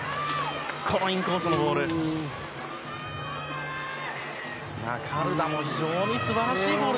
このインコースのボール。